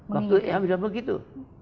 waktu yang sudah begitu